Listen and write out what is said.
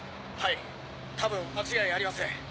はい多分間違いありません。